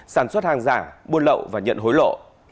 sản xuất hàng giả buôn lậu và nhận hối lộ